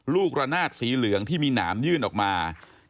ระนาดสีเหลืองที่มีหนามยื่นออกมา